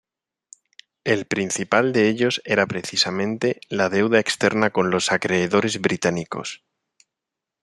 El principal de ellos era precisamente la deuda externa con los acreedores británicos.